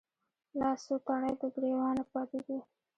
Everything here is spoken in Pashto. لا څــــو تڼۍ د ګــــــرېوانه پاتـې دي